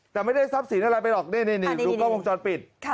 แต่ไม่ได้ทรัพย์สินอะไรไปหรอกนี่ดูกล้องวงจรปิด